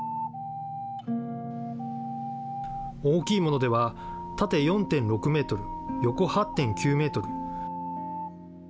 大きいものでは縦４．６メートル、横８．９メートル。